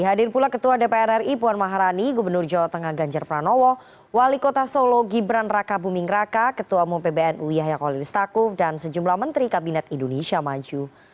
hadir pula ketua dpr ri puan maharani gubernur jawa tengah ganjar pranowo wali kota solo gibran raka buming raka ketua umum pbnu yahya kolilistakuf dan sejumlah menteri kabinet indonesia maju